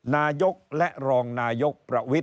นายกและรองนายก